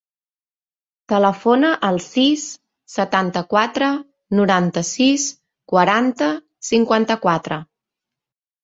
Telefona al sis, setanta-quatre, noranta-sis, quaranta, cinquanta-quatre.